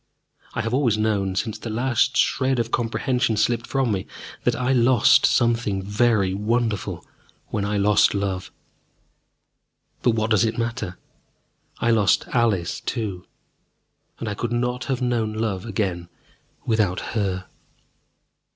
I have always known, since the last shred of comprehension slipped from me, that I lost something very wonderful when I lost love. But what does it matter? I lost Alice too, and I could not have known love again without her.